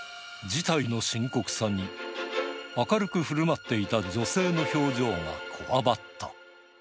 事態の深刻さに、明るくふるまっていた女性の表情がこわばった。